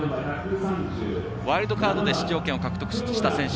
ワイルドカードで出場権を獲得した選手